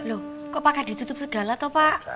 lho kok pakai ditutup segala pak